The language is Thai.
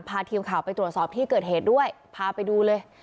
พาทีมข่าวไปตรวจสอบที่เกิดเหตุด้วยพาไปดูเลย